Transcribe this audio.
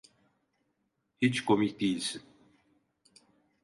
Hiç komik değilsin.